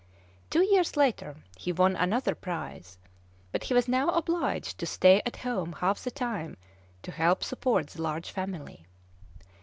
Two years later, he won another prize; but he was now obliged to stay at home half the time to help support the large family.